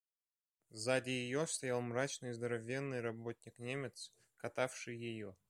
Сзади её стоял мрачный здоровенный работник Немец, катавший её.